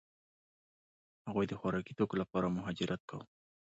هغوی د خوراکي توکو لپاره مهاجرت کاوه.